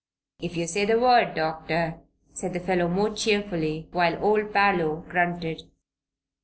"If you say the word, Doctor," said the fellow, more cheerfully, while old Parloe grunted.